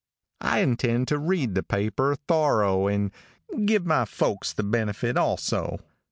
I intend to read the paper thorrow and give my folks the benefit also.